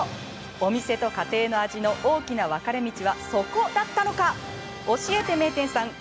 お店と家庭の味の大きな分かれ道はそこだったのか。